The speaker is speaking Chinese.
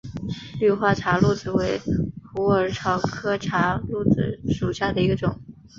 绿花茶藨子为虎耳草科茶藨子属下的一个种。